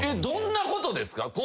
どんなことですか？